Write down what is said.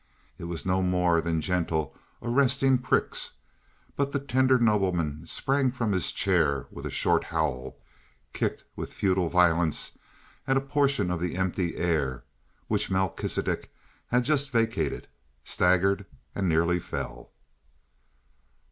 It was no more than gentle, arresting pricks; but the tender nobleman sprang from his chair with a short howl, kicked with futile violence a portion of the empty air which Melchisidec had just vacated, staggered, and nearly fell.